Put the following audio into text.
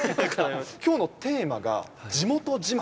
きょうのテーマが地元自慢。